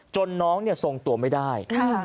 จนน้องเนี่ยทรงตัวไม่ได้ค่ะ